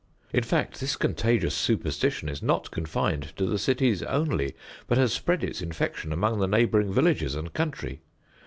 In fact, this contagious superstition is not confined to the cities only, but has spread its infection among the neighboring villages and country.